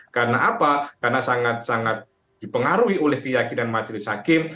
karena apa karena sangat sangat dipengaruhi oleh keyakinan majelis hakim